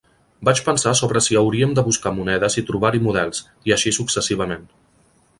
Vaig pensar sobre si hauríem de buscar monedes i trobar-hi models, i així successivament.